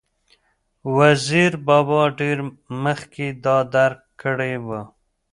وزیر بابا ډېر مخکې دا درک کړې وه،